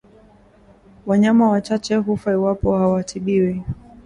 Wanyama wachache hufa iwapo hawatibiwi